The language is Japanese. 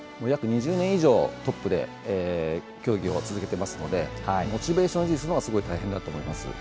約２０年以上トップで競技を続けてますのでモチベーションを維持するのがすごく大変だと思います。